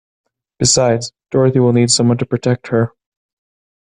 Besides, Dorothy will need someone to protect her.